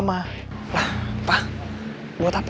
bapak mau undang dia untuk dateng ke pesta anniversary pernikahan papa mama